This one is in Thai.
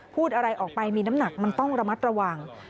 พูดอะไรออกไปมีน้ำหนักมันต้องระมัดระวัง